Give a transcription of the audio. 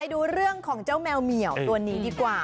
ดูเรื่องของเจ้าแมวเหมียวตัวนี้ดีกว่า